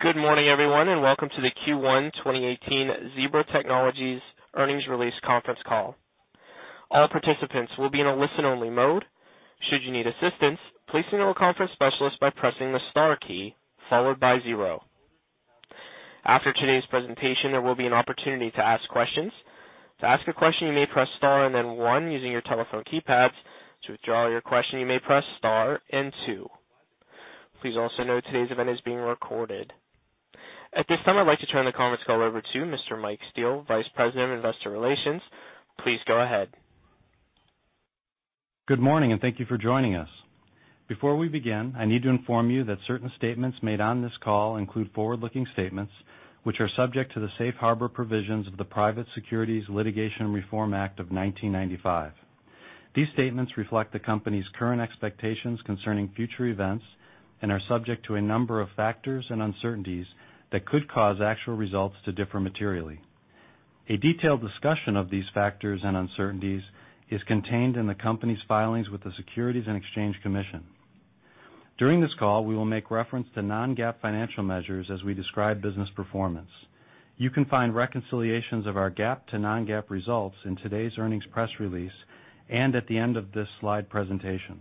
Good morning, everyone, and welcome to the Q1 2018 Zebra Technologies earnings release conference call. All participants will be in a listen-only mode. Should you need assistance, please signal a conference specialist by pressing the star key, followed by zero. After today's presentation, there will be an opportunity to ask questions. To ask a question, you may press star and then one using your telephone key pad. To withdraw your question, you may press star and two. Please also note today's event is being recorded. At this time, I'd like to turn the conference call over to Mr. Michael Steele, Vice President of Investor Relations. Please go ahead. Good morning, and thank you for joining us. Before we begin, I need to inform you that certain statements made on this call include forward-looking statements, which are subject to the safe harbor provisions of the Private Securities Litigation Reform Act of 1995. These statements reflect the company's current expectations concerning future events and are subject to a number of factors and uncertainties that could cause actual results to differ materially. A detailed discussion of these factors and uncertainties is contained in the company's filings with the Securities and Exchange Commission. During this call, we will make reference to non-GAAP financial measures as we describe business performance. You can find reconciliations of our GAAP to non-GAAP results in today's earnings press release, and at the end of this slide presentation.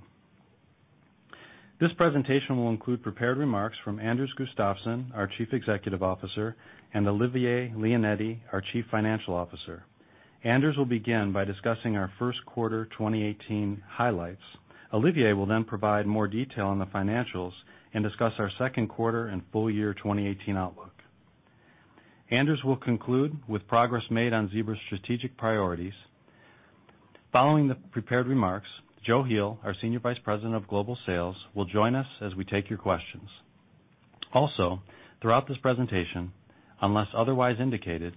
This presentation will include prepared remarks from Anders Gustafsson, our Chief Executive Officer, and Olivier Leonetti, our Chief Financial Officer. Anders will begin by discussing our first quarter 2018 highlights. Olivier will provide more detail on the financials and discuss our second quarter and full year 2018 outlook. Anders will conclude with progress made on Zebra's strategic priorities. Following the prepared remarks, Joachim Heel, our Senior Vice President of Global Sales, will join us as we take your questions. Also, throughout this presentation, unless otherwise indicated,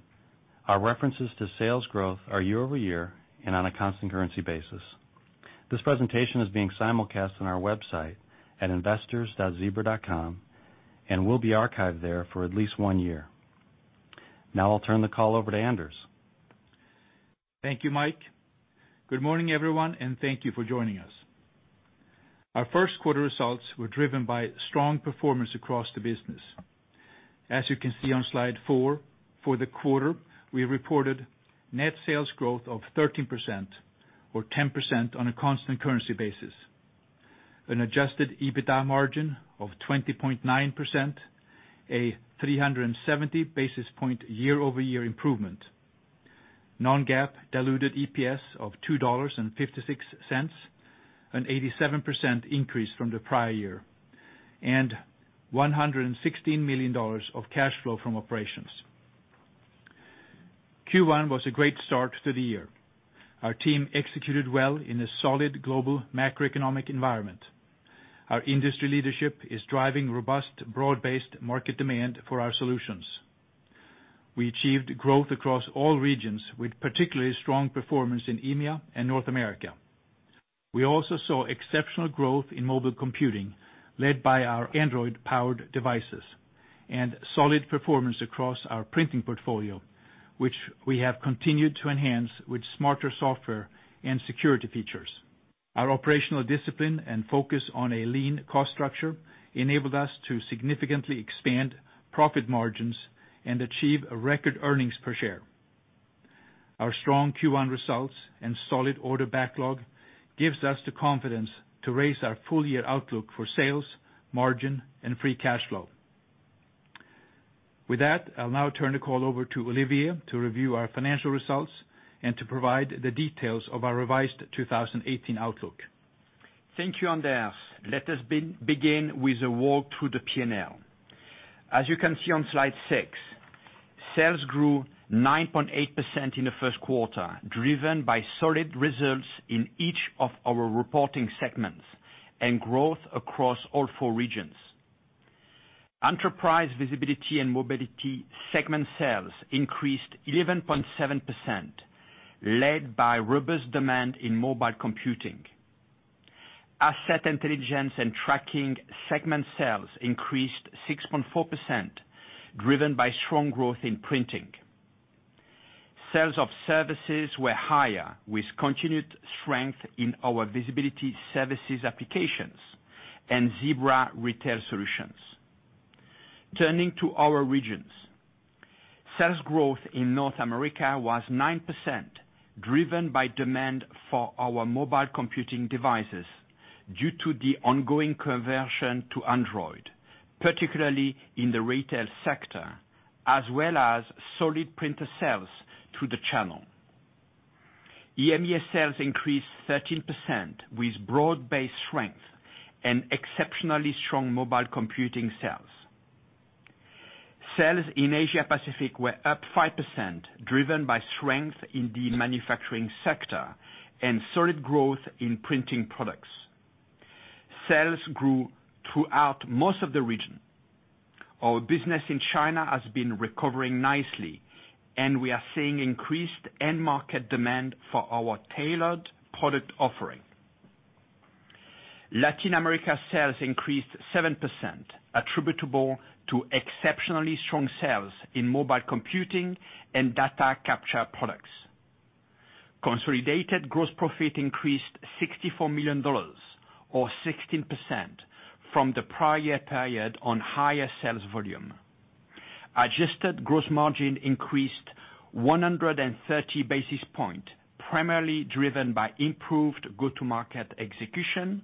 our references to sales growth are year-over-year and on a constant currency basis. This presentation is being simulcast on our website at investors.zebra.com and will be archived there for at least one year. Now I'll turn the call over to Anders. Thank you, Mike. Good morning, everyone, and thank you for joining us. Our first quarter results were driven by strong performance across the business. As you can see on slide four, for the quarter, we reported net sales growth of 13%, or 10% on a constant currency basis. An adjusted EBITDA margin of 20.9%, a 370 basis point year-over-year improvement. Non-GAAP diluted EPS of $2.56, an 87% increase from the prior year. And $116 million of cash flow from operations. Q1 was a great start to the year. Our team executed well in a solid global macroeconomic environment. Our industry leadership is driving robust, broad-based market demand for our solutions. We achieved growth across all regions, with particularly strong performance in EMEA and North America. We also saw exceptional growth in mobile computing, led by our Android powered devices, and solid performance across our printing portfolio, which we have continued to enhance with smarter software and security features. Our operational discipline and focus on a lean cost structure enabled us to significantly expand profit margins and achieve a record earnings per share. Our strong Q1 results and solid order backlog gives us the confidence to raise our full year outlook for sales, margin and free cash flow. With that, I'll now turn the call over to Olivier to review our financial results and to provide the details of our revised 2018 outlook. Thank you, Anders. Let us begin with a walk through the P&L. As you can see on slide six, sales grew 9.8% in the first quarter, driven by solid results in each of our reporting segments and growth across all four regions. Enterprise Visibility and Mobility segment sales increased 11.7%, led by robust demand in mobile computing. Asset Intelligence and Tracking segment sales increased 6.4%, driven by strong growth in printing. Sales of services were higher, with continued strength in our Visibility Services applications and Zebra Retail Solutions. Turning to our regions. Sales growth in North America was 9%, driven by demand for our mobile computing devices due to the ongoing conversion to Android, particularly in the retail sector, as well as solid printer sales to the channel. EMEA sales increased 13%, with broad-based strength and exceptionally strong mobile computing sales. Sales in Asia Pacific were up 5%, driven by strength in the manufacturing sector and solid growth in printing products. Sales grew throughout most of the region. Our business in China has been recovering nicely, and we are seeing increased end market demand for our tailored product offering. Latin America sales increased 7%, attributable to exceptionally strong sales in mobile computing and data capture products. Consolidated gross profit increased $64 million, or 16%, from the prior period on higher sales volume. Adjusted gross margin increased 130 basis points, primarily driven by improved go-to-market execution,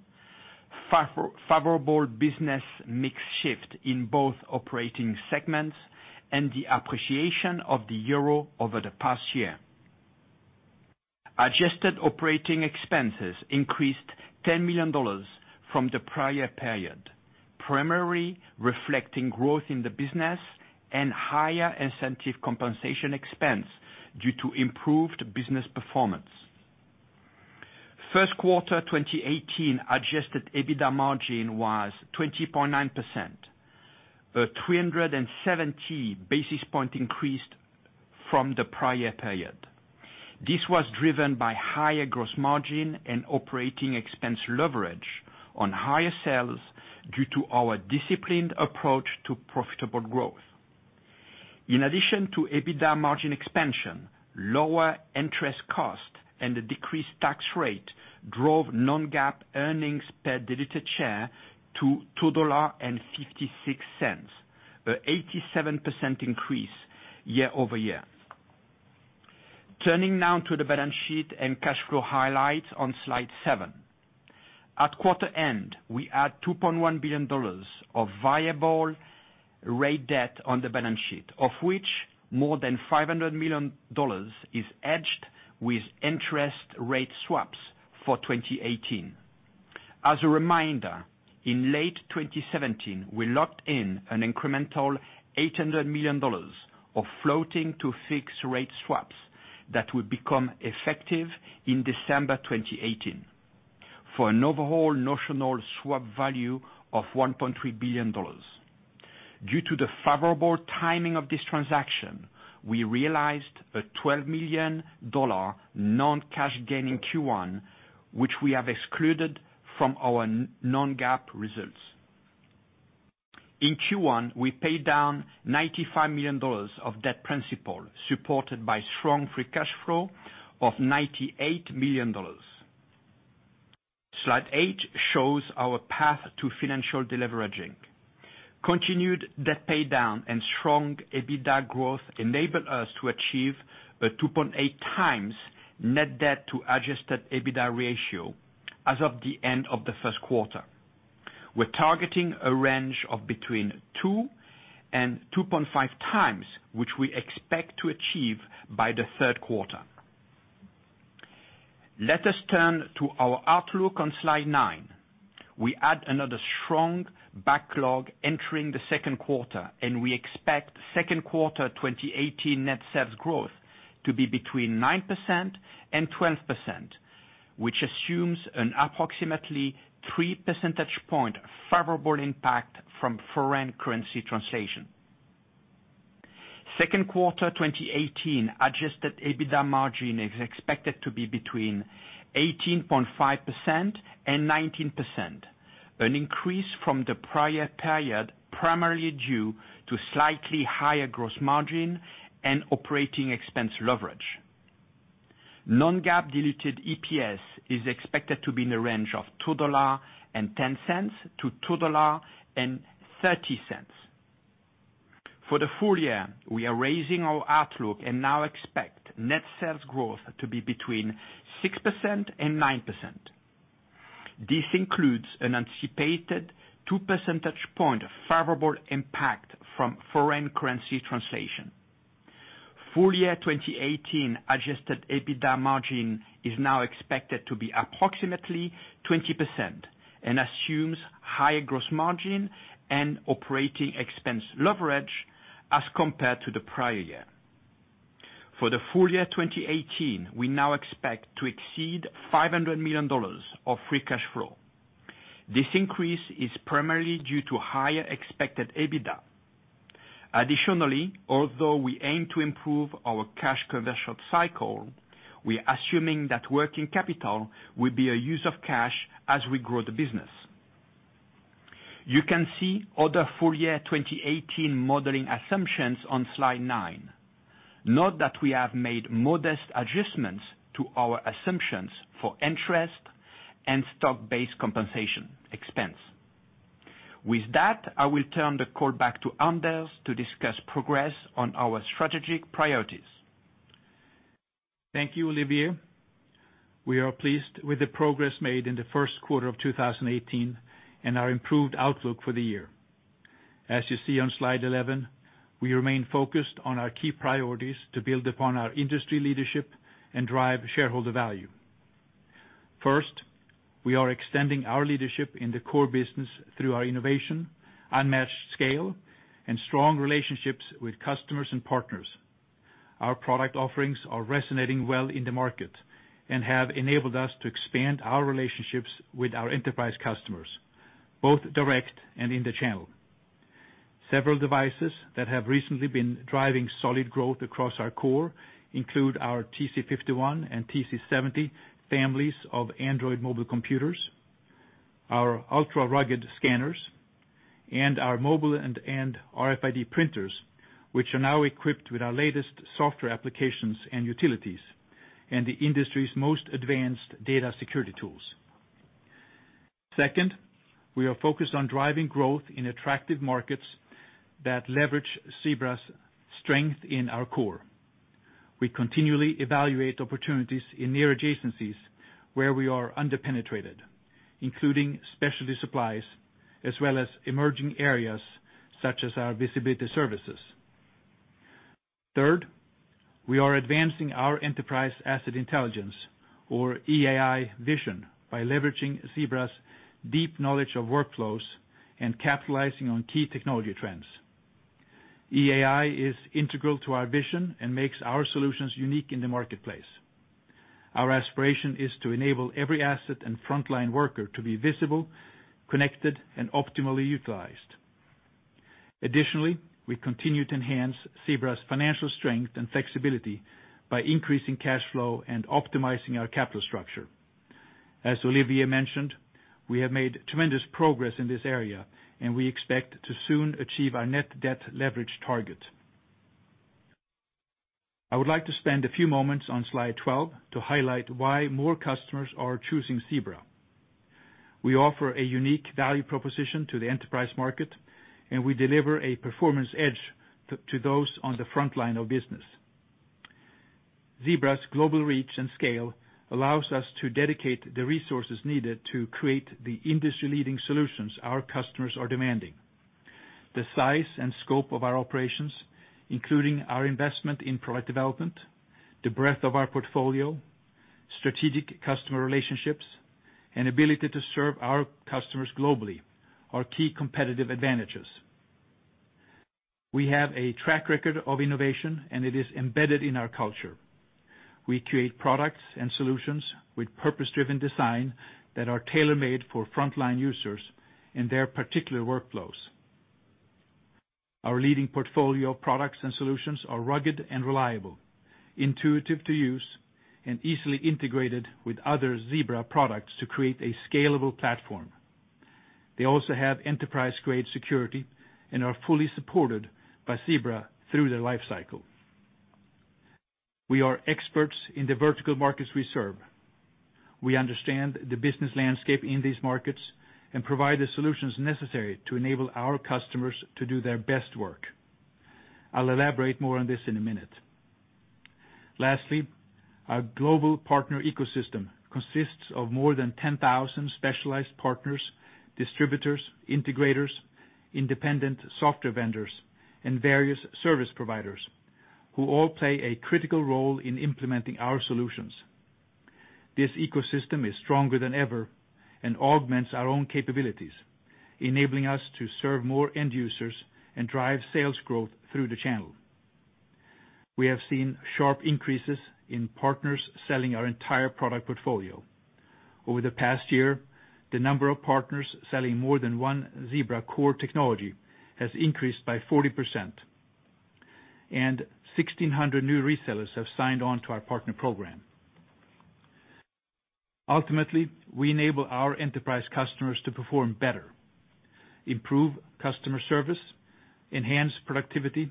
favorable business mix shift in both operating segments, and the appreciation of the euro over the past year. Adjusted operating expenses increased $10 million from the prior period, primarily reflecting growth in the business and higher incentive compensation expense due to improved business performance. First quarter 2018 adjusted EBITDA margin was 20.9%, a 370 basis points increase from the prior period. This was driven by higher gross margin and operating expense leverage on higher sales due to our disciplined approach to profitable growth. In addition to EBITDA margin expansion, lower interest cost and the decreased tax rate drove non-GAAP earnings per diluted share to $2.56, an 87% increase year-over-year. Turning now to the balance sheet and cash flow highlights on slide seven. At quarter end, we add $2.1 billion of variable rate debt on the balance sheet, of which more than $500 million is hedged with interest rate swaps for 2018. As a reminder, in late 2017, we locked in an incremental $800 million of floating to fixed rate swaps that will become effective in December 2018, for an overall notional swap value of $1.3 billion. Due to the favorable timing of this transaction, we realized a $12 million non-cash gain in Q1, which we have excluded from our non-GAAP results. In Q1, we paid down $95 million of debt principal, supported by strong free cash flow of $98 million. Slide eight shows our path to financial deleveraging. Continued debt pay down and strong EBITDA growth enabled us to achieve a 2.8 times net debt to adjusted EBITDA ratio as of the end of the first quarter. We're targeting a range of between 2 and 2.5 times, which we expect to achieve by the third quarter. Let us turn to our outlook on slide nine. We add another strong backlog entering the second quarter, and we expect second quarter 2018 net sales growth to be between 9% and 12%, which assumes an approximately three percentage point favorable impact from foreign currency translation. Second quarter 2018 adjusted EBITDA margin is expected to be between 18.5% and 19%, an increase from the prior period, primarily due to slightly higher gross margin and operating expense leverage. Non-GAAP diluted EPS is expected to be in the range of $2.10 to $2.30. For the full year, we are raising our outlook and now expect net sales growth to be between 6% and 9%. This includes an anticipated two percentage point favorable impact from foreign currency translation. Full year 2018 adjusted EBITDA margin is now expected to be approximately 20% and assumes higher gross margin and operating expense leverage as compared to the prior year. For the full year 2018, we now expect to exceed $500 million of free cash flow. This increase is primarily due to higher expected EBITDA. Additionally, although we aim to improve our cash conversion cycle, we're assuming that working capital will be a use of cash as we grow the business. You can see other full year 2018 modeling assumptions on slide nine. Note that we have made modest adjustments to our assumptions for interest and stock-based compensation expense. With that, I will turn the call back to Anders to discuss progress on our strategic priorities. Thank you, Olivier. We are pleased with the progress made in the first quarter of 2018 and our improved outlook for the year. As you see on slide 11, we remain focused on our key priorities to build upon our industry leadership and drive shareholder value. First, we are extending our leadership in the core business through our innovation, unmatched scale, and strong relationships with customers and partners. Our product offerings are resonating well in the market and have enabled us to expand our relationships with our enterprise customers, both direct and in the channel. Several devices that have recently been driving solid growth across our core include our TC51 and TC70 families of Android mobile computers Our ultra rugged scanners and our mobile and RFID printers, which are now equipped with our latest software applications and utilities and the industry's most advanced data security tools. Second, we are focused on driving growth in attractive markets that leverage Zebra's strength in our core. We continually evaluate opportunities in near adjacencies where we are under-penetrated, including specialty supplies as well as emerging areas such as our Visibility Services. Third, we are advancing our Enterprise Asset Intelligence or EAI vision by leveraging Zebra's deep knowledge of workflows and capitalizing on key technology trends. EAI is integral to our vision and makes our solutions unique in the marketplace. Our aspiration is to enable every asset and frontline worker to be visible, connected, and optimally utilized. Additionally, we continue to enhance Zebra's financial strength and flexibility by increasing cash flow and optimizing our capital structure. As Olivier mentioned, we have made tremendous progress in this area, and we expect to soon achieve our net debt leverage target. I would like to spend a few moments on slide 12 to highlight why more customers are choosing Zebra. We offer a unique value proposition to the enterprise market, and we deliver a performance edge to those on the frontline of business. Zebra's global reach and scale allows us to dedicate the resources needed to create the industry-leading solutions our customers are demanding. The size and scope of our operations, including our investment in product development, the breadth of our portfolio, strategic customer relationships, and ability to serve our customers globally, are key competitive advantages. We have a track record of innovation, and it is embedded in our culture. We create products and solutions with purpose-driven design that are tailor-made for frontline users and their particular workflows. Our leading portfolio of products and solutions are rugged and reliable, intuitive to use, and easily integrated with other Zebra products to create a scalable platform. They also have enterprise-grade security and are fully supported by Zebra through their life cycle. We are experts in the vertical markets we serve. We understand the business landscape in these markets and provide the solutions necessary to enable our customers to do their best work. I'll elaborate more on this in a minute. Lastly, our global partner ecosystem consists of more than 10,000 specialized partners, distributors, integrators, independent software vendors, and various service providers who all play a critical role in implementing our solutions. This ecosystem is stronger than ever and augments our own capabilities, enabling us to serve more end users and drive sales growth through the channel. We have seen sharp increases in partners selling our entire product portfolio. Over the past year, the number of partners selling more than one Zebra core technology has increased by 40%, and 1,600 new resellers have signed on to our partner program. Ultimately, we enable our enterprise customers to perform better, improve customer service, enhance productivity,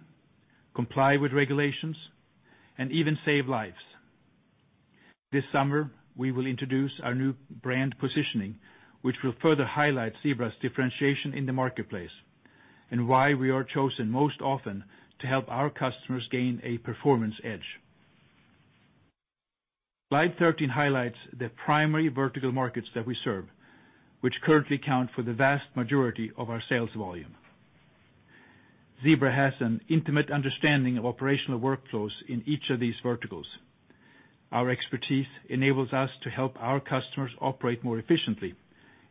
comply with regulations, and even save lives. This summer, we will introduce our new brand positioning, which will further highlight Zebra's differentiation in the marketplace and why we are chosen most often to help our customers gain a performance edge. Slide 13 highlights the primary vertical markets that we serve, which currently account for the vast majority of our sales volume. Zebra has an intimate understanding of operational workflows in each of these verticals. Our expertise enables us to help our customers operate more efficiently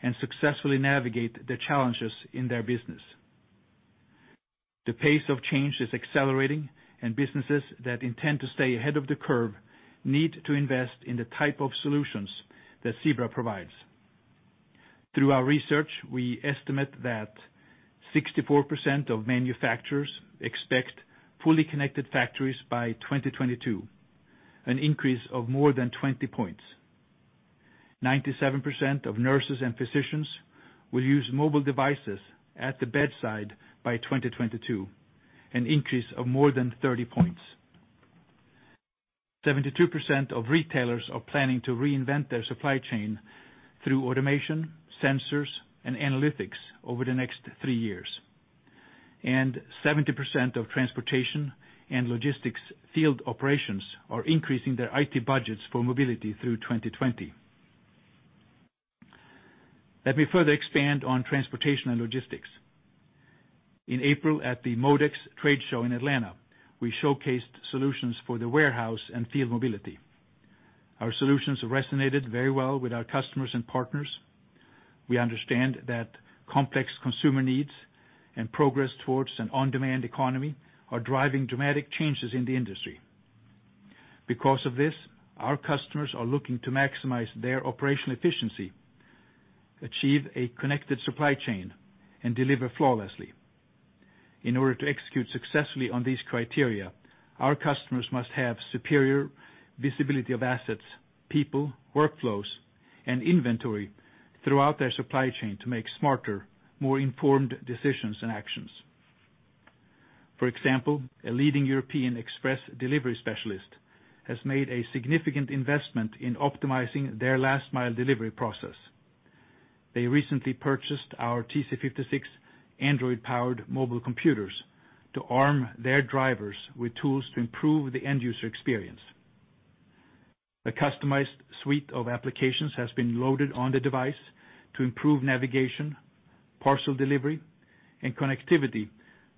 and successfully navigate the challenges in their business. The pace of change is accelerating, and businesses that intend to stay ahead of the curve need to invest in the type of solutions that Zebra provides. Through our research, we estimate that 64% of manufacturers expect fully connected factories by 2022, an increase of more than 20 points. 97% of nurses and physicians will use mobile devices at the bedside by 2022, an increase of more than 30 points. 72% of retailers are planning to reinvent their supply chain through automation, sensors, and analytics over the next three years. 70% of transportation and logistics field operations are increasing their IT budgets for mobility through 2020. Let me further expand on transportation and logistics. In April at the MODEX Trade Show in Atlanta, we showcased solutions for the warehouse and field mobility. Our solutions resonated very well with our customers and partners. We understand that complex consumer needs and progress towards an on-demand economy are driving dramatic changes in the industry. Because of this, our customers are looking to maximize their operational efficiency, achieve a connected supply chain, and deliver flawlessly. In order to execute successfully on these criteria, our customers must have superior visibility of assets, people, workflows, and inventory throughout their supply chain to make smarter, more informed decisions and actions. For example, a leading European express delivery specialist has made a significant investment in optimizing their last-mile delivery process. They recently purchased our TC56 Android-powered mobile computers to arm their drivers with tools to improve the end-user experience. A customized suite of applications has been loaded on the device to improve navigation, parcel delivery, and connectivity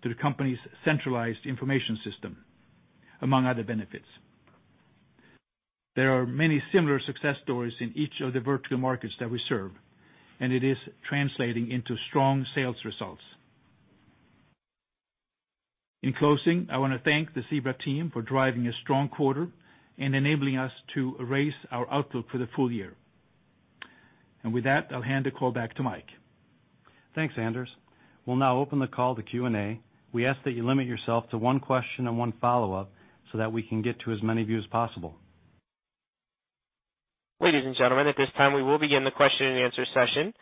to the company's centralized information system, among other benefits. There are many similar success stories in each of the vertical markets that we serve, and it is translating into strong sales results. In closing, I want to thank the Zebra team for driving a strong quarter and enabling us to raise our outlook for the full year. With that, I'll hand the call back to Mike. Thanks, Anders. We'll now open the call to Q&A. We ask that you limit yourself to one question and one follow-up so that we can get to as many of you as possible. Ladies and gentlemen, at this time, we will begin the question and answer session.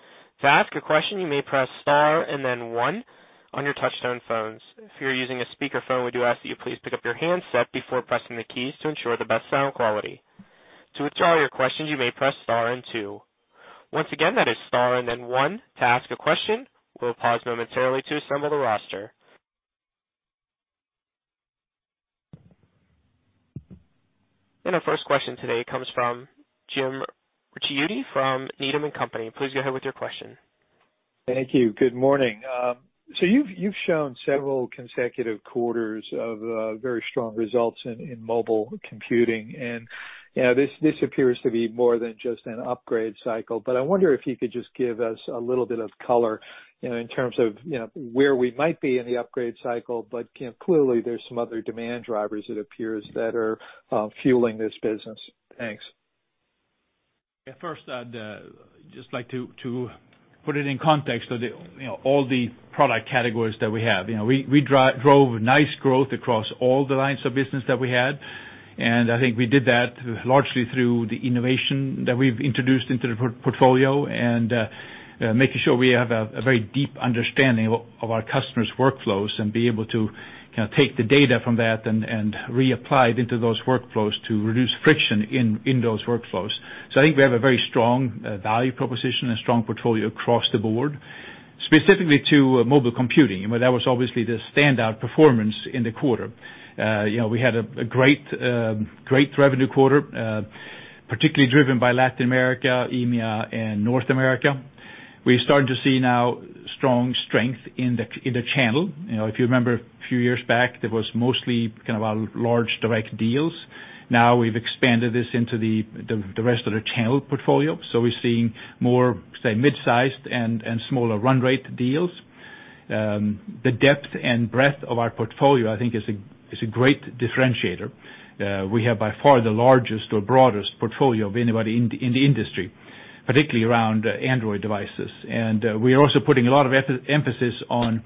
To ask a question, you may press star and then one on your touch-tone phones. If you are using a speakerphone, we do ask that you please pick up your handset before pressing the keys to ensure the best sound quality. To withdraw your questions, you may press star and two. Once again, that is star and then one to ask a question. We will pause momentarily to assemble the roster. Our first question today comes from James Ricchiuti from Needham & Company. Please go ahead with your question. Thank you. Good morning. You have shown several consecutive quarters of very strong results in mobile computing, and this appears to be more than just an upgrade cycle. I wonder if you could just give us a little bit of color in terms of where we might be in the upgrade cycle, but clearly, there is some other demand drivers it appears that are fueling this business. Thanks. First, I would just like to put it in context of all the product categories that we have. We drove nice growth across all the lines of business that we had, and I think we did that largely through the innovation that we have introduced into the portfolio and making sure we have a very deep understanding of our customers' workflows and be able to take the data from that and reapply it into those workflows to reduce friction in those workflows. I think we have a very strong value proposition and strong portfolio across the board. Specifically to mobile computing, that was obviously the standout performance in the quarter. We had a great revenue quarter, particularly driven by Latin America, EMEA, and North America. We started to see now strong strength in the channel. If you remember a few years back, there was mostly large direct deals. Now we have expanded this into the rest of the channel portfolio. We are seeing more, say, mid-sized and smaller run rate deals. The depth and breadth of our portfolio, I think, is a great differentiator. We have by far the largest or broadest portfolio of anybody in the industry, particularly around Android devices. We are also putting a lot of emphasis on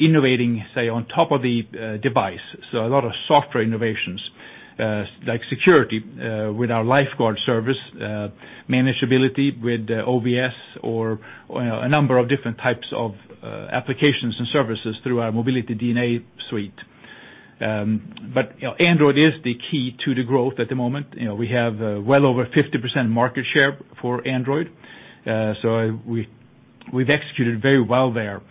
innovating, say, on top of the device. A lot of software innovations, like security with our LifeGuard service, manageability with OVS or a number of different types of applications and services through our Mobility DNA Suite. Android is the key to the growth at the moment. We have well over 50% market share for Android. We have executed very well there.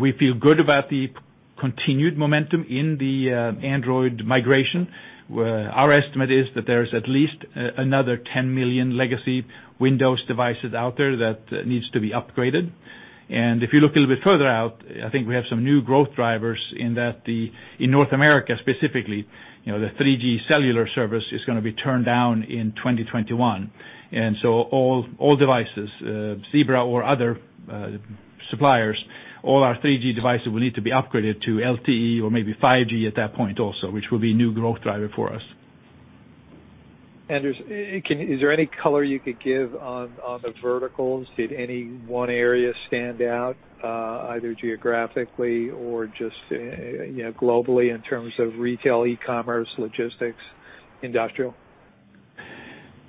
We feel good about the continued momentum in the Android migration, where our estimate is that there is at least another 10 million legacy Windows devices out there that needs to be upgraded. If you look a little bit further out, I think we have some new growth drivers in that in North America, specifically, the 3G cellular service is going to be turned down in 2021. All devices, Zebra or other suppliers, all our 3G devices will need to be upgraded to LTE or maybe 5G at that point also, which will be a new growth driver for us. Anders, is there any color you could give on the verticals? Did any one area stand out, either geographically or just globally in terms of retail, e-commerce, logistics, industrial?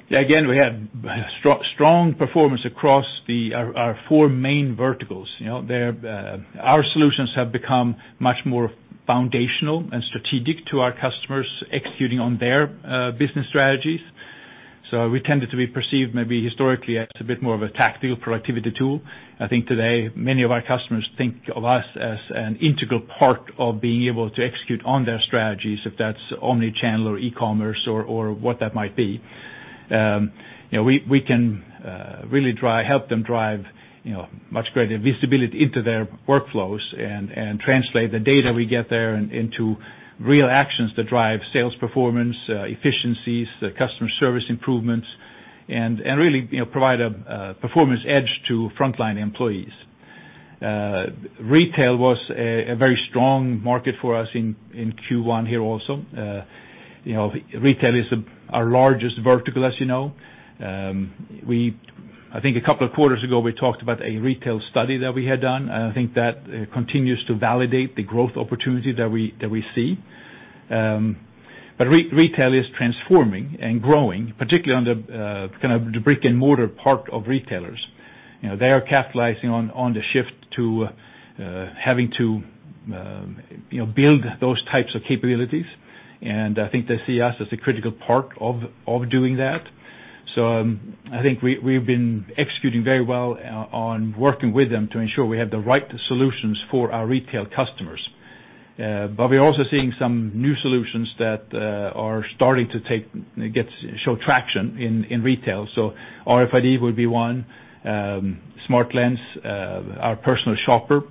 Yeah. Again, we had strong performance across our four main verticals. Our solutions have become much more foundational and strategic to our customers executing on their business strategies. We tended to be perceived maybe historically as a bit more of a tactical productivity tool. I think today, many of our customers think of us as an integral part of being able to execute on their strategies, if that's omni-channel or e-commerce or what that might be. We can really help them drive much greater visibility into their workflows and translate the data we get there into real actions that drive sales performance, efficiencies, customer service improvements, and really provide a performance edge to frontline employees. Retail was a very strong market for us in Q1 here also. Retail is our largest vertical, as you know. I think a couple of quarters ago, we talked about a retail study that we had done. I think that continues to validate the growth opportunity that we see. Retail is transforming and growing, particularly on the brick-and-mortar part of retailers. They are capitalizing on the shift to having to build those types of capabilities. I think they see us as a critical part of doing that. I think we've been executing very well on working with them to ensure we have the right solutions for our retail customers. We're also seeing some new solutions that are starting to show traction in retail. RFID would be one, SmartLens, our Personal Shopper,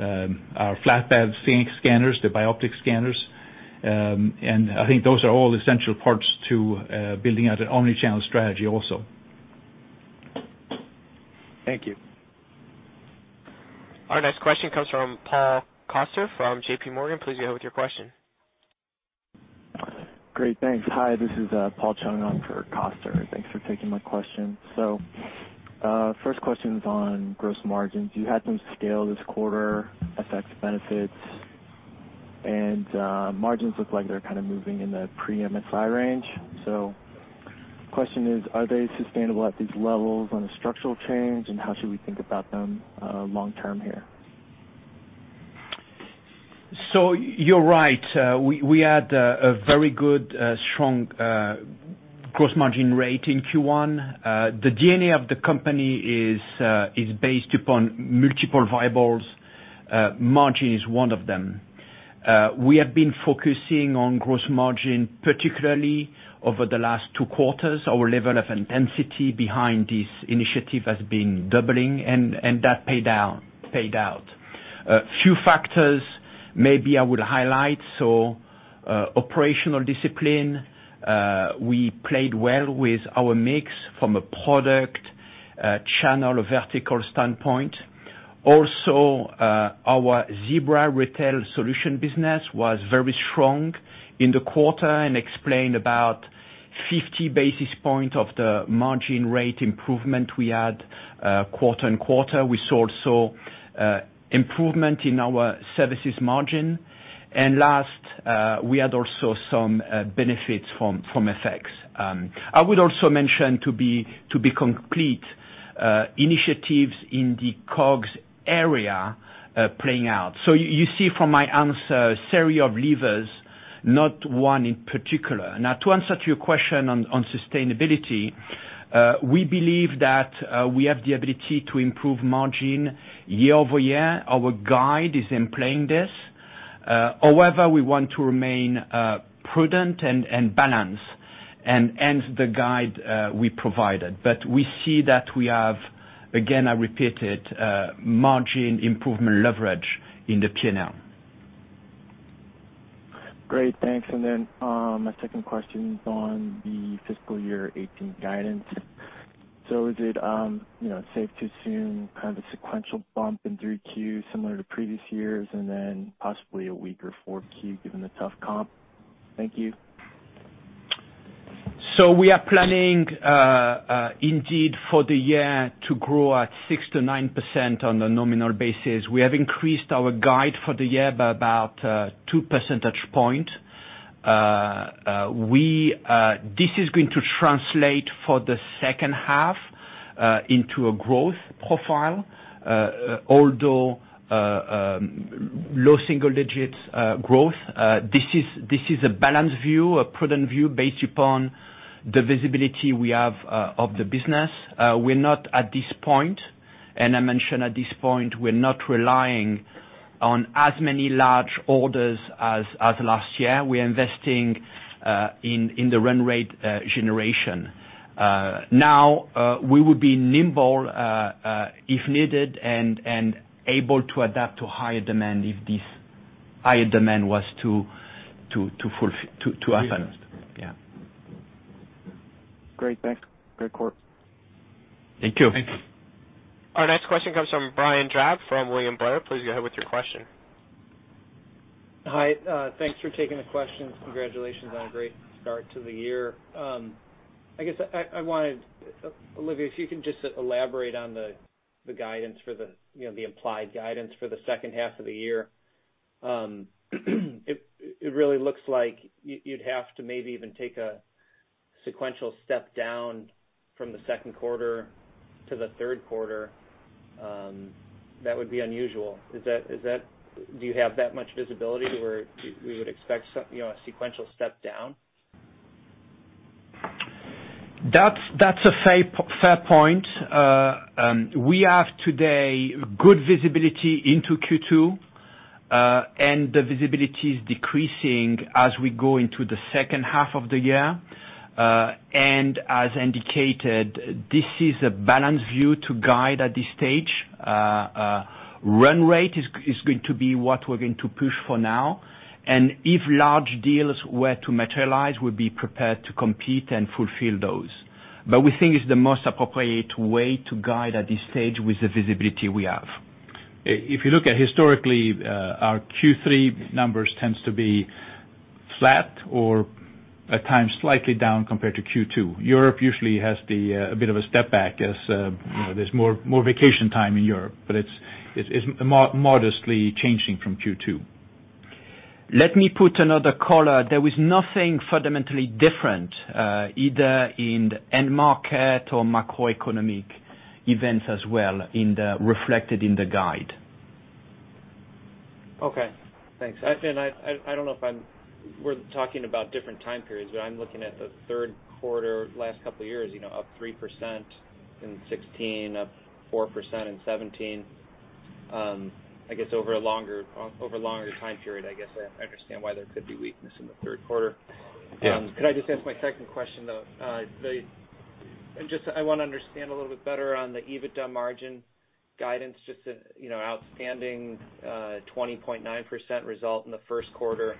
our flatbed scanners, the bioptic scanners. I think those are all essential parts to building out an omni-channel strategy also. Thank you. Our next question comes from Paul Chung from JPMorgan. Please go ahead with your question. Great. Thanks. Hi, this is Paul Chung on for Coster. Thanks for taking my question. First question's on gross margins. You had some scale this quarter, FX benefits, and margins look like they're kind of moving in the pre-MSI range. Question is, are they sustainable at these levels on a structural change, and how should we think about them long term here? You're right. We had a very good, strong gross margin rate in Q1. The DNA of the company is based upon multiple variables. Margin is one of them. We have been focusing on gross margin, particularly over the last two quarters. Our level of intensity behind this initiative has been doubling, and that paid out. A few factors maybe I would highlight. Operational discipline, we played well with our mix from a product, channel, vertical standpoint. Also, our Zebra Retail Solutions business was very strong in the quarter and explained about 50 basis point of the margin rate improvement we had quarter-on-quarter. We saw also improvement in our services margin. Last, we had also some benefits from FX. I would also mention to be complete, initiatives in the COGS area playing out. You see from my answer, series of levers, not one in particular. To answer to your question on sustainability, we believe that we have the ability to improve margin year-over-year. Our guide is employing this. We want to remain prudent and balance and hence the guide we provided. We see that we have, again, I repeat it, margin improvement leverage in the P&L. Great, thanks. My second question is on the fiscal year 2018 guidance. Is it safe to assume kind of a sequential bump in 3Q similar to previous years, and then possibly a weaker 4Q given the tough comp? Thank you. We are planning indeed for the year to grow at 6%-9% on a nominal basis. We have increased our guide for the year by about two percentage points. This is going to translate for the second half into a growth profile although low single digits growth. This is a balanced view, a prudent view based upon the visibility we have of the business. We're not at this point, and I mention at this point, we're not relying on as many large orders as last year. We're investing in the run rate generation. We would be nimble if needed and able to adapt to higher demand if this higher demand was to happen. Yeah. Great. Thanks. Great call. Thank you. Thanks. Our next question comes from Brian Drab from William Blair. Please go ahead with your question. Hi, thanks for taking the question. Congratulations on a great start to the year. I guess, Olivier, if you can just elaborate on the implied guidance for the second half of the year. It really looks like you'd have to maybe even take a sequential step down from the second quarter to the third quarter. That would be unusual. Do you have that much visibility where we would expect a sequential step down? That's a fair point. We have today good visibility into Q2, the visibility is decreasing as we go into the second half of the year. As indicated, this is a balanced view to guide at this stage. Run rate is going to be what we're going to push for now. If large deals were to materialize, we'd be prepared to compete and fulfill those. We think it's the most appropriate way to guide at this stage with the visibility we have. If you look at historically, our Q3 numbers tends to be flat or at times slightly down compared to Q2. Europe usually has a bit of a step back as there's more vacation time in Europe, but it's modestly changing from Q2. Let me put another color. There was nothing fundamentally different, either in the end market or macroeconomic events as well, reflected in the guide. Okay. Thanks. Actually, I don't know if we're talking about different time periods, but I'm looking at the third quarter last couple of years, up 3% in 2016, up 4% in 2017. I guess over a longer time period, I guess I understand why there could be weakness in the third quarter. Yeah. Could I just ask my second question, though? I want to understand a little bit better on the EBITDA margin guidance, just an outstanding 20.9% result in the first quarter,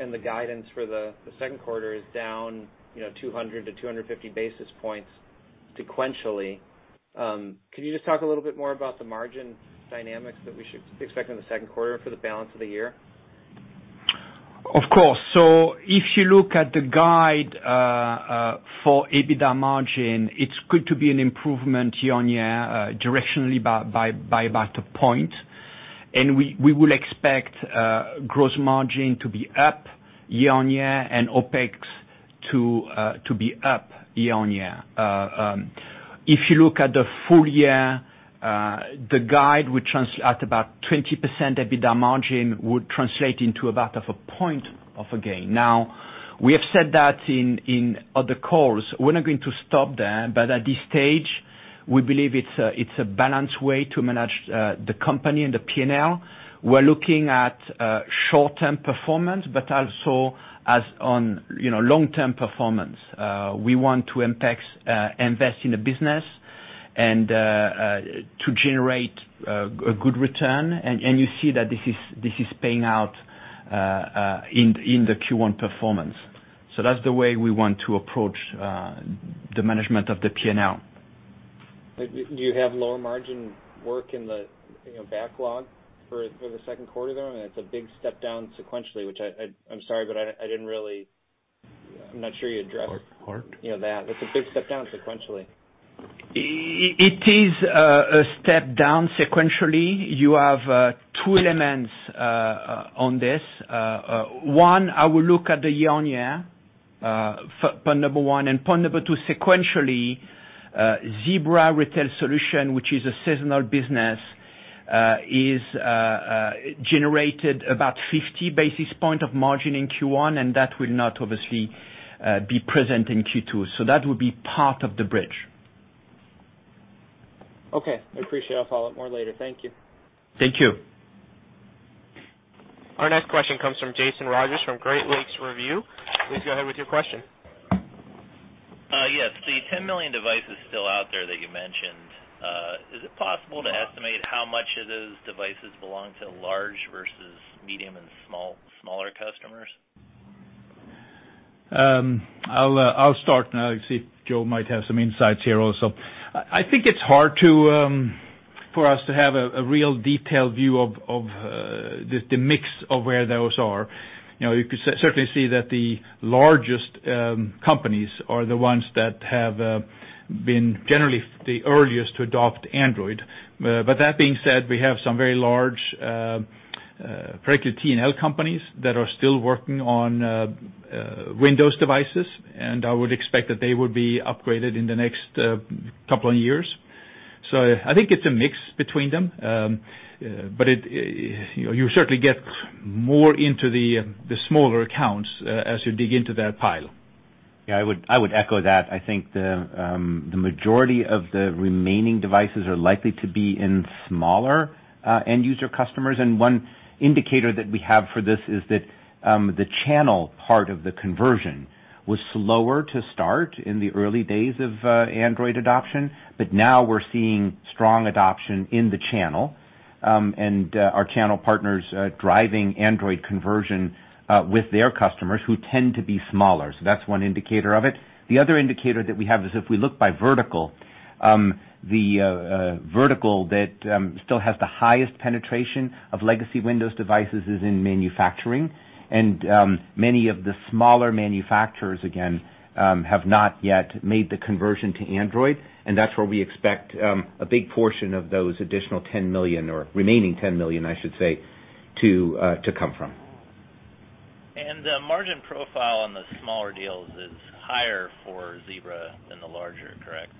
and the guidance for the second quarter is down 200-250 basis points sequentially. Can you just talk a little bit more about the margin dynamics that we should expect in the second quarter for the balance of the year? Of course. If you look at the guide for EBITDA margin, it's going to be an improvement year-on-year, directionally by about a point. We will expect gross margin to be up year-on-year and OPEX to be up year-on-year. If you look at the full year, the guide at about 20% EBITDA margin would translate into about a point of a gain. We have said that in other calls. We're not going to stop that, but at this stage, we believe it's a balanced way to manage the company and the P&L. We're looking at short-term performance, but also on long-term performance. We want to invest in the business and to generate a good return, and you see that this is paying out in the Q1 performance. That's the way we want to approach the management of the P&L. Do you have lower margin work in the backlog for the second quarter, though? I mean, that's a big step down sequentially, which I'm sorry, but I'm not sure you addressed that. Hard. That's a big step down sequentially. It is a step down sequentially. You have two elements on this. One, I would look at the year-on-year, point number 1, and point number 2, sequentially, Zebra Retail Solutions, which is a seasonal business, generated about 50 basis points of margin in Q1, and that will not obviously be present in Q2. That would be part of the bridge. Okay. I appreciate it. I'll follow up more later. Thank you. Thank you. Our next question comes from Jason Rogers from Great Lakes Review. Please go ahead with your question. Yes. The 10 million devices still out there that you mentioned, is it possible to estimate how much of those devices belong to large versus medium and smaller customers? I'll start now, see if Joe might have some insights here also. I think it's hard for us to have a real detailed view of the mix of where those are. You could certainly see that the largest companies are the ones that have been generally the earliest to adopt Android. That being said, we have some very large, frankly, T&L companies that are still working on Windows devices, and I would expect that they would be upgraded in the next couple of years. I think it's a mix between them. You certainly get more into the smaller accounts, as you dig into that pile. Yeah, I would echo that. I think the majority of the remaining devices are likely to be in smaller end user customers. One indicator that we have for this is that the channel part of the conversion was slower to start in the early days of Android adoption. Now we're seeing strong adoption in the channel, and our channel partners driving Android conversion with their customers who tend to be smaller. That's one indicator of it. The other indicator that we have is if we look by vertical, the vertical that still has the highest penetration of legacy Windows devices is in manufacturing. Many of the smaller manufacturers, again, have not yet made the conversion to Android, and that's where we expect a big portion of those additional 10 million, or remaining 10 million, I should say, to come from. The margin profile on the smaller deals is higher for Zebra than the larger, correct?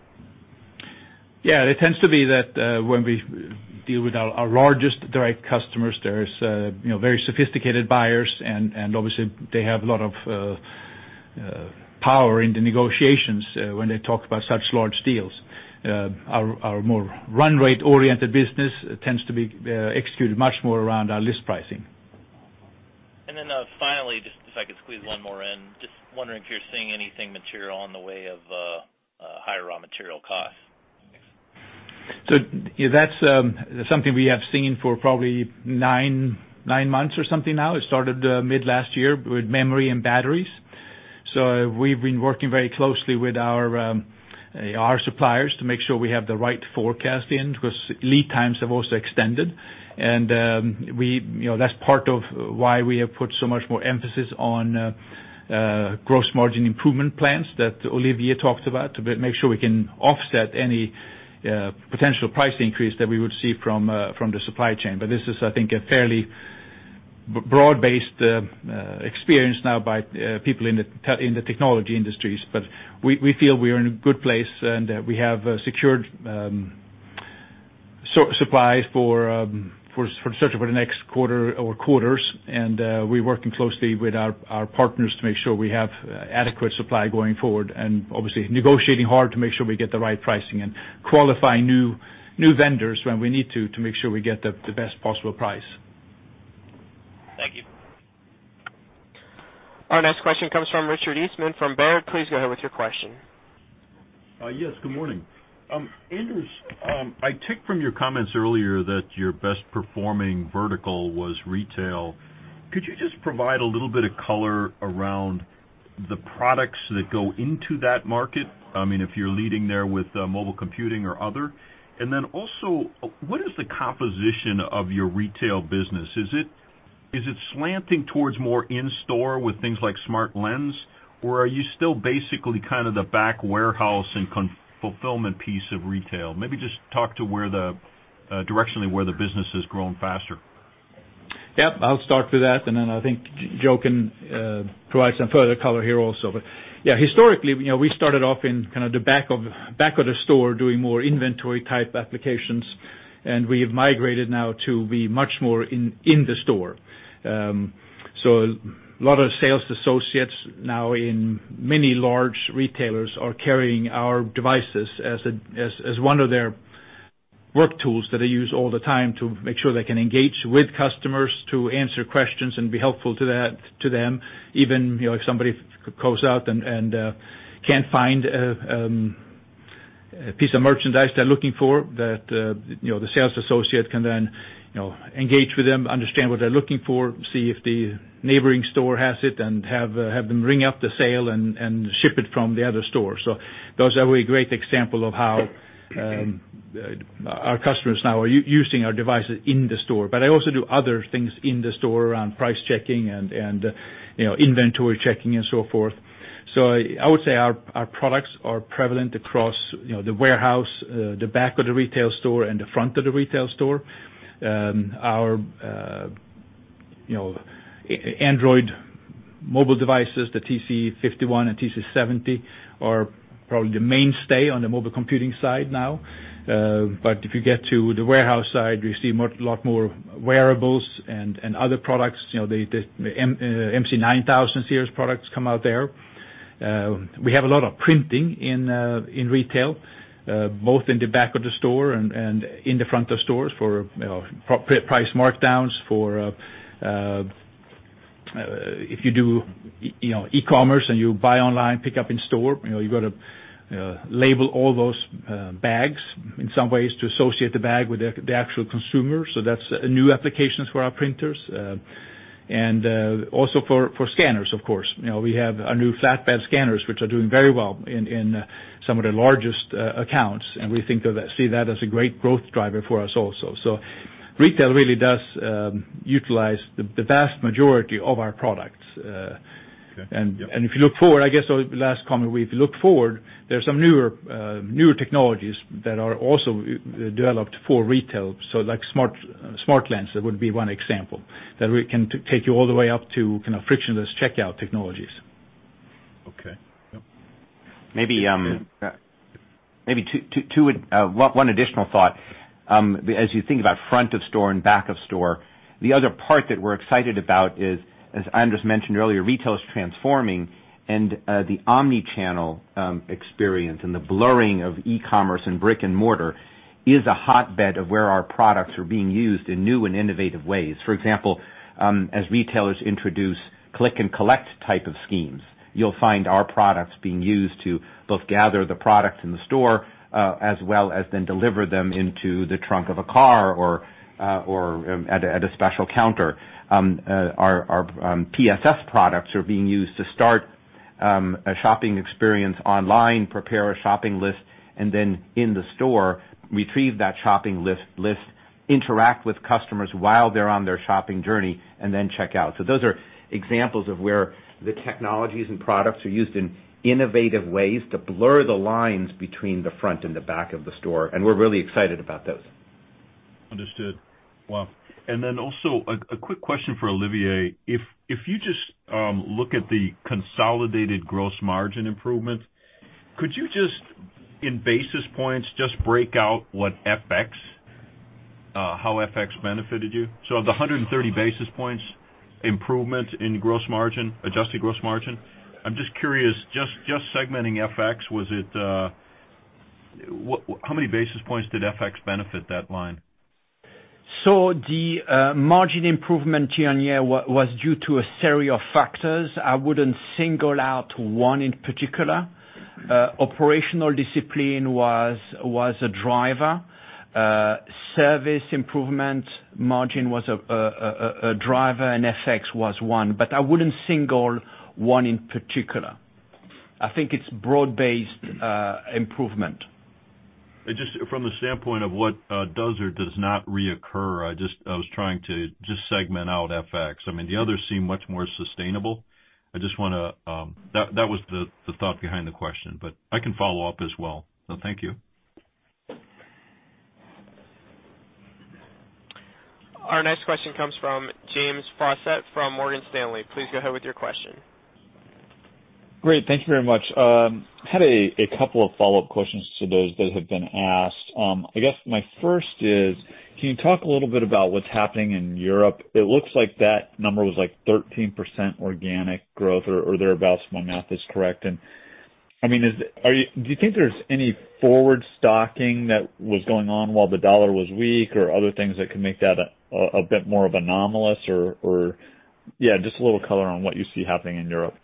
Yeah. It tends to be that when we deal with our largest direct customers, there's very sophisticated buyers, and obviously they have a lot of power in the negotiations when they talk about such large deals. Our more run rate oriented business tends to be executed much more around our list pricing. Finally, just if I could squeeze one more in, just wondering if you're seeing anything material on the way of higher raw material costs. Thanks. That's something we have seen for probably nine months or something now. It started mid-last year with memory and batteries. We've been working very closely with our suppliers to make sure we have the right forecast in, because lead times have also extended. That's part of why we have put so much more emphasis on gross margin improvement plans that Olivier talked about, to make sure we can offset any potential price increase that we would see from the supply chain. This is, I think, a fairly broad-based experience now by people in the technology industries. We feel we are in a good place, and we have secured supply certainly for the next quarter or quarters, and we're working closely with our partners to make sure we have adequate supply going forward. Obviously negotiating hard to make sure we get the right pricing and qualifying new vendors when we need to make sure we get the best possible price. Thank you. Our next question comes from Richard Eastman from Baird. Please go ahead with your question. Yes, good morning. Anders, I take from your comments earlier that your best performing vertical was retail. Could you just provide a little bit of color around the products that go into that market? If you're leading there with mobile computing or other. Also, what is the composition of your retail business? Is it slanting towards more in-store with things like SmartLens, or are you still basically the back warehouse and fulfillment piece of retail? Maybe just talk to directionally where the business has grown faster. Yes, I'll start with that, I think Joe can provide some further color here also. Yeah, historically, we started off in the back of the store doing more inventory-type applications, we have migrated now to be much more in the store. A lot of sales associates now in many large retailers are carrying our devices as one of their work tools that they use all the time to make sure they can engage with customers to answer questions and be helpful to them. Even if somebody goes out and can't find a piece of merchandise they're looking for, the sales associate can then engage with them, understand what they're looking for, see if the neighboring store has it, and have them ring up the sale and ship it from the other store. Those are a great example of how our customers now are using our devices in the store. They also do other things in the store around price checking and inventory checking and so forth. I would say our products are prevalent across the warehouse, the back of the retail store, and the front of the retail store. Our Android mobile devices, the TC51 and TC70, are probably the mainstay on the mobile computing side now. If you get to the warehouse side, we see a lot more wearables and other products. The MC9000 series products come out there. We have a lot of printing in retail, both in the back of the store and in the front of stores for price markdowns. If you do e-commerce and you buy online, pick up in store, you've got to label all those bags in some ways to associate the bag with the actual consumer, that's new applications for our printers. Also for scanners, of course. We have our new flatbed scanners, which are doing very well in some of the largest accounts, and we see that as a great growth driver for us also. Retail really does utilize the vast majority of our products. Okay. Yep. If you look forward, I guess the last comment, if you look forward, there's some newer technologies that are also developed for retail. Like SmartLens would be one example, that we can take you all the way up to frictionless checkout technologies. Okay. Yep. Maybe one additional thought. As you think about front of store and back of store, the other part that we're excited about is, as Anders mentioned earlier, retail is transforming and the omni-channel experience and the blurring of e-commerce and brick-and-mortar is a hotbed of where our products are being used in new and innovative ways. For example, as retailers introduce click-and-collect type of schemes, you'll find our products being used to both gather the products in the store, as well as then deliver them into the trunk of a car or at a special counter. Our PS20 products are being used to start a shopping experience online, prepare a shopping list, and then in the store, retrieve that shopping list, interact with customers while they're on their shopping journey, and then check out. Those are examples of where the technologies and products are used in innovative ways to blur the lines between the front and the back of the store, and we're really excited about those. Understood. Wow. Also a quick question for Olivier. If you just look at the consolidated gross margin improvement, could you just, in basis points, just break out how FX benefited you? Of the 130 basis points improvement in adjusted gross margin, I'm just curious, just segmenting FX, how many basis points did FX benefit that line? The margin improvement year-on-year was due to a series of factors. I wouldn't single out one in particular. Operational discipline was a driver. Service improvement margin was a driver, and FX was one. I wouldn't single one in particular. I think it's broad-based improvement. Just from the standpoint of what does or does not reoccur, I mean, I was trying to just segment out FX. The others seem much more sustainable. That was the thought behind the question, but I can follow up as well. Thank you. Our next question comes from James Faucette from Morgan Stanley. Please go ahead with your question. Great. Thank you very much. Had a couple of follow-up questions to those that have been asked. I guess my first is, can you talk a little bit about what's happening in Europe? It looks like that number was like 13% organic growth or thereabout, if my math is correct. Do you think there's any forward stocking that was going on while the dollar was weak or other things that could make that a bit more of anomalous or Yeah, just a little color on what you see happening in Europe.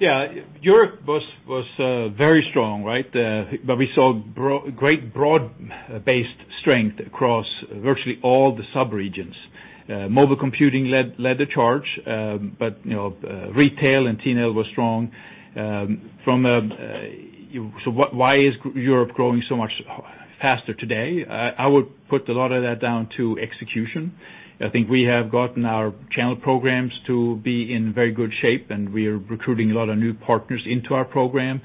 Yeah. Europe was very strong. We saw great broad-based strength across virtually all the sub-regions. Mobile computing led the charge, but retail and T&L were strong. Why is Europe growing so much faster today? I would put a lot of that down to execution. I think we have gotten our channel programs to be in very good shape, and we are recruiting a lot of new partners into our program.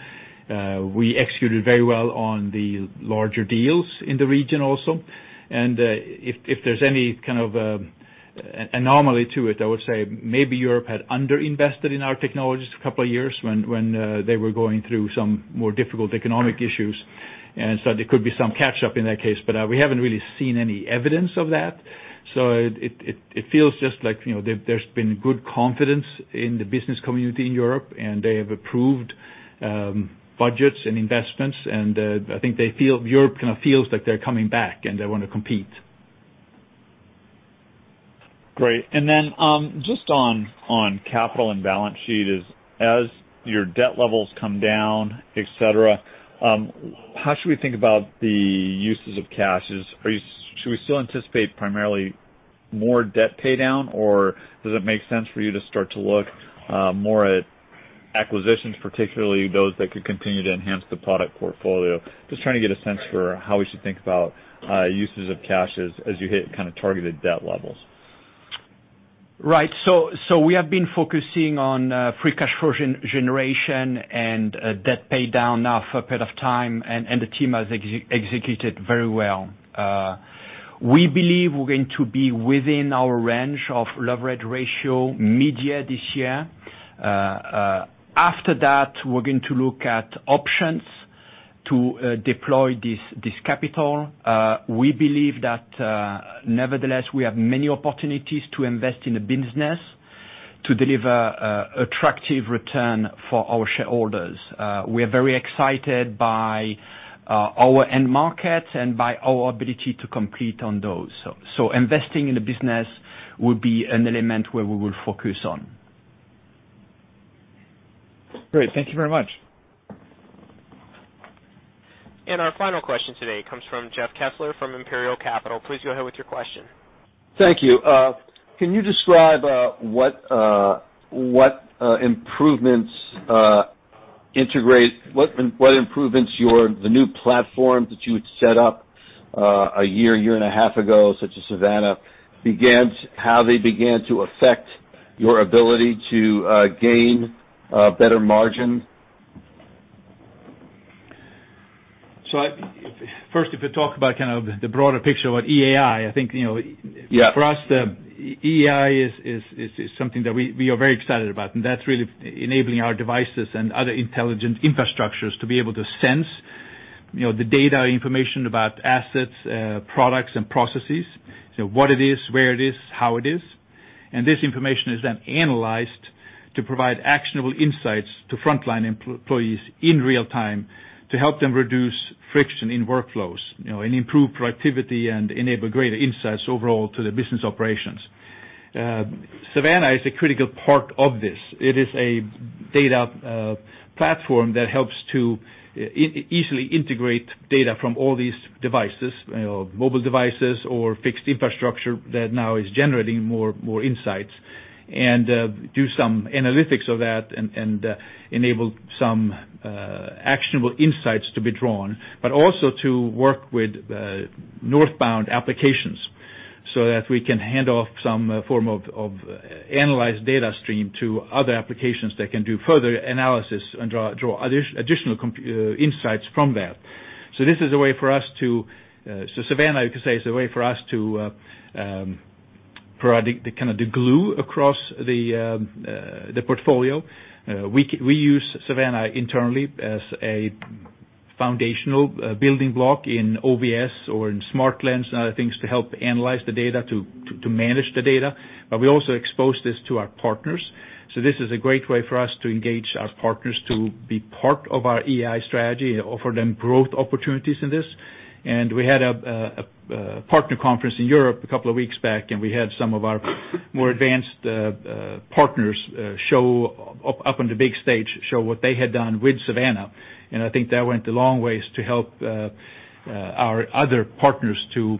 We executed very well on the larger deals in the region also. If there's any kind of anomaly to it, I would say maybe Europe had under-invested in our technologies a couple of years when they were going through some more difficult economic issues, and so there could be some catch-up in that case. We haven't really seen any evidence of that. It feels just like there's been good confidence in the business community in Europe. They have approved budgets and investments. I think Europe kind of feels like they're coming back, and they want to compete. Great. Just on capital and balance sheet is, as your debt levels come down, et cetera, how should we think about the uses of cash? Should we still anticipate primarily more debt paydown, or does it make sense for you to start to look more at acquisitions, particularly those that could continue to enhance the product portfolio? Just trying to get a sense for how we should think about uses of cash as you hit targeted debt levels. Right. We have been focusing on free cash flow generation and debt paydown now for a bit of time, and the team has executed very well. We believe we're going to be within our range of leverage ratio mid-year this year. After that, we're going to look at options to deploy this capital. We believe that, nevertheless, we have many opportunities to invest in the business to deliver attractive return for our shareholders. We are very excited by our end markets and by our ability to compete on those. Investing in the business will be an element where we will focus on. Great. Thank you very much. Our final question today comes from Jeff Kessler from Imperial Capital. Please go ahead with your question. Thank you. Can you describe what improvements your new platform that you had set up a year and a half ago, such as Savanna, how they began to affect your ability to gain better margin? First, if you talk about kind of the broader picture about EAI. Yeah For us, EAI is something that we are very excited about, and that's really enabling our devices and other intelligent infrastructures to be able to sense the data information about assets, products, and processes. What it is, where it is, how it is. This information is then analyzed to provide actionable insights to frontline employees in real time to help them reduce friction in workflows, improve productivity, and enable greater insights overall to the business operations. Savanna is a critical part of this. It is a data platform that helps to easily integrate data from all these devices, mobile devices or fixed infrastructure that now is generating more insights, and do some analytics of that and enable some actionable insights to be drawn, but also to work with northbound applications that we can hand off some form of analyzed data stream to other applications that can do further analysis and draw additional insights from that. Savanna, you could say, is a way for us to provide the glue across the portfolio. We use Savanna internally as a foundational building block in OVS or in SmartLens and other things to help analyze the data, to manage the data. We also expose this to our partners. This is a great way for us to engage our partners to be part of our EAI strategy and offer them growth opportunities in this. We had a partner conference in Europe a couple of weeks back, and we had some of our more advanced partners up on the big stage, show what they had done with Savanna. I think that went a long way to help Our other partners to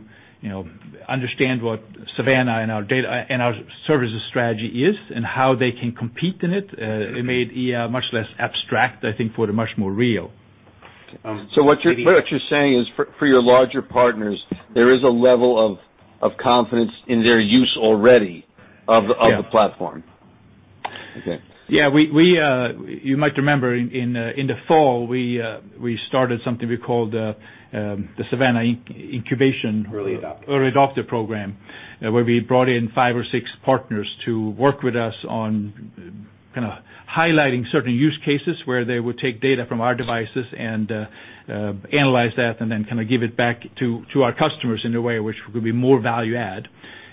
understand what Savanna and our services strategy is and how they can compete in it. It made much less abstract, I think, for the much more real. What you're saying is for your larger partners, there is a level of confidence in their use already of- Yeah the platform. Okay. Yeah. You might remember in the fall, we started something we called the Savanna Incubation- Early Adopter Early Adopter Program, where we brought in five or six partners to work with us on highlighting certain use cases where they would take data from our devices and analyze that and then give it back to our customers in a way which could be more value add.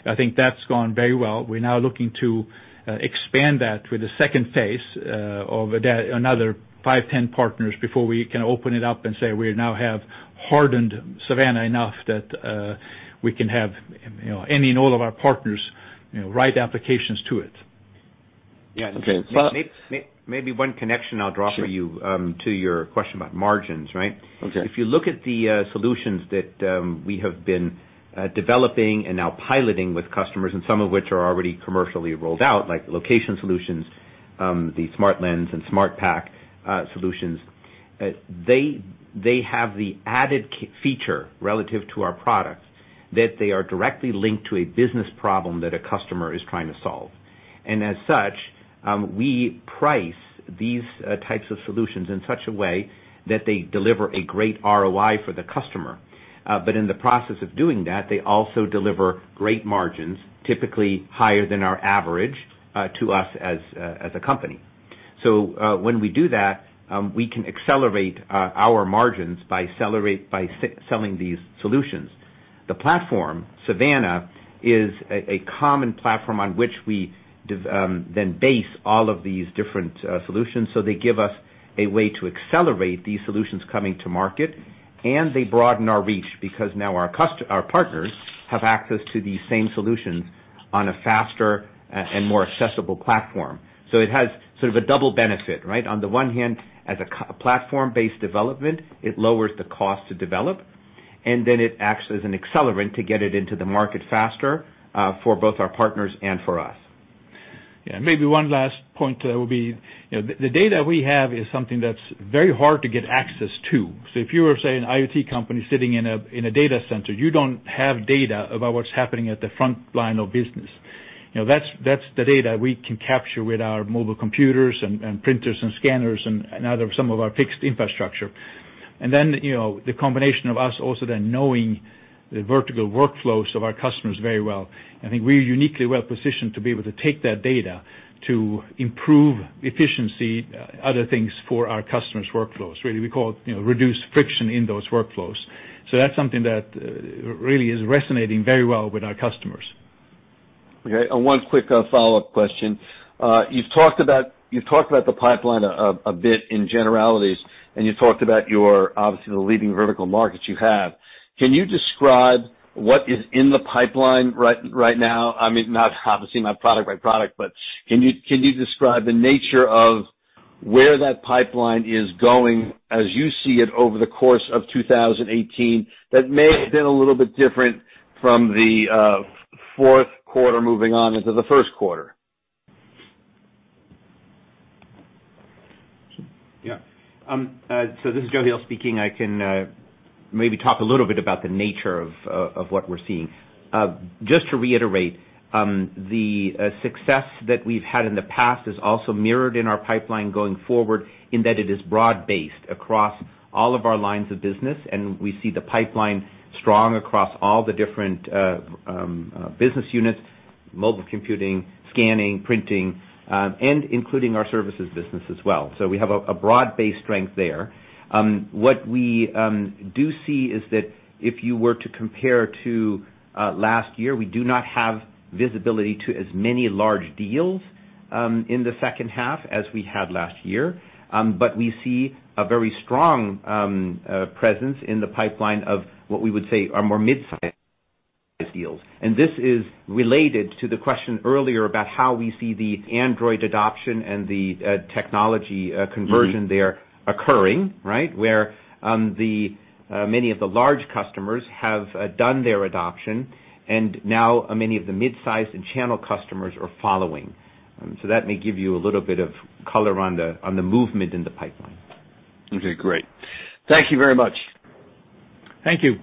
I think that's gone very well. We're now looking to expand that with a second phase of another five, 10 partners before we can open it up and say, we now have hardened Savanna enough that we can have any and all of our partners write applications to it. Okay. Maybe one connection I'll draw for you. Sure to your question about margins, right? Okay. If you look at the solutions that we have been developing and now piloting with customers, and some of which are already commercially rolled out, like location solutions, the SmartLens and SmartPack solutions, they have the added feature relative to our products, that they are directly linked to a business problem that a customer is trying to solve. As such, we price these types of solutions in such a way that they deliver a great ROI for the customer. In the process of doing that, they also deliver great margins, typically higher than our average, to us as a company. When we do that, we can accelerate our margins by selling these solutions. The platform, Savanna, is a common platform on which we then base all of these different solutions. They give us a way to accelerate these solutions coming to market, and they broaden our reach because now our partners have access to these same solutions on a faster and more accessible platform. It has sort of a double benefit, right? On the one hand, as a platform-based development, it lowers the cost to develop. It acts as an accelerant to get it into the market faster, for both our partners and for us. Yeah. Maybe one last point there will be, the data we have is something that's very hard to get access to. If you are, say, an IoT company sitting in a data center, you don't have data about what's happening at the frontline of business. That's the data we can capture with our mobile computers and printers and scanners and some of our fixed infrastructure. The combination of us also then knowing the vertical workflows of our customers very well. I think we're uniquely well-positioned to be able to take that data to improve efficiency, other things for our customers' workflows, really. We call it reduced friction in those workflows. That's something that really is resonating very well with our customers. Okay. One quick follow-up question. You've talked about the pipeline a bit in generalities, and you've talked about your, obviously, the leading vertical markets you have. Can you describe what is in the pipeline right now? I mean, not obviously not product by product, but can you describe the nature of where that pipeline is going as you see it over the course of 2018, that may have been a little bit different from the fourth quarter moving on into the first quarter? Yeah. This is Joachim Heel speaking. I can maybe talk a little bit about the nature of what we're seeing. Just to reiterate, the success that we've had in the past is also mirrored in our pipeline going forward, in that it is broad-based across all of our lines of business, and we see the pipeline strong across all the different business units, mobile computing, scanning, printing, and including our services business as well. We have a broad-based strength there. What we do see is that if you were to compare to last year, we do not have visibility to as many large deals in the second half as we had last year. We see a very strong presence in the pipeline of what we would say are more mid-sized deals. This is related to the question earlier about how we see the Android adoption and the technology- conversion there occurring, right? Where many of the large customers have done their adoption, and now many of the mid-size and channel customers are following. That may give you a little bit of color on the movement in the pipeline. Great. Thank you very much. Thank you.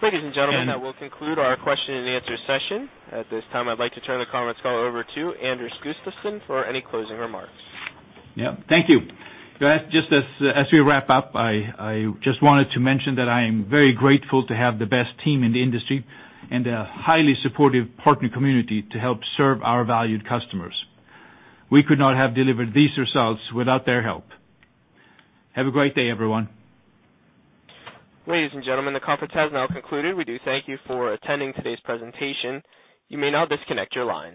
Ladies and gentlemen, that will conclude our question and answer session. At this time, I'd like to turn the conference call over to Anders Gustafsson for any closing remarks. Yeah. Thank you. Just as we wrap up, I just wanted to mention that I am very grateful to have the best team in the industry and a highly supportive partner community to help serve our valued customers. We could not have delivered these results without their help. Have a great day, everyone. Ladies and gentlemen, the conference has now concluded. We do thank you for attending today's presentation. You may now disconnect your lines.